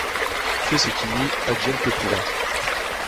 Fais ce qui nuit, advienne que pourra.